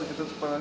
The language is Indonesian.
kita cepat sembuh